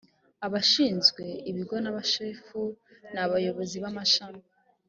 abashinzwe ibigo n’abashefu ni abayobozi b’amashami